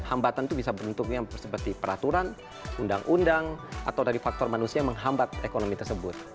hambatan itu bisa bentuknya seperti peraturan undang undang atau dari faktor manusia yang menghambat ekonomi tersebut